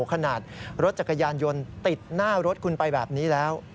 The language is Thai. ขนาดรถจักรยานยนต์ติดหน้ารถคุณไปแบบนี้แล้ว